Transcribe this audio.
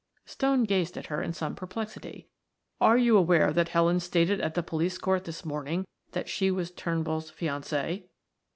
Stone gazed at her in some perplexity. "Are you aware that Helen stated at the police court this morning that she was Turnbull's fiancee?"